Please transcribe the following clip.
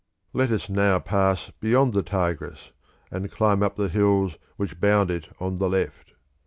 Let us now pass beyond the Tigris and climb up the hills which bound it on the left.